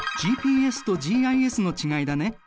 ＧＰＳとＧＩＳの違いだね。